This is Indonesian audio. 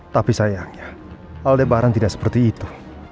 tapi sayangnya aldebaran tidak seperti itu